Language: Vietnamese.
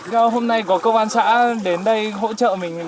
do hôm nay có công an xã đến đây hỗ trợ mình thì mình cảm thấy thế nào